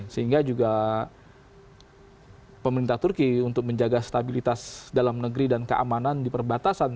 sehingga juga pemerintah turki untuk menjaga stabilitas dalam negeri dan keamanan di perbatasan